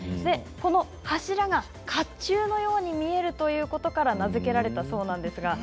柱が、かっちゅうのように見えることから名付けられたそうなんです。